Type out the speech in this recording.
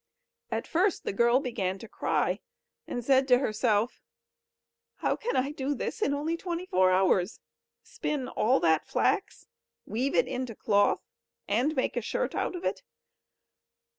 At first the girl began to cry, and said to herself: "How can I do this in only twenty four hours spin all that flax, weave it into cloth, and make a shirt out of it?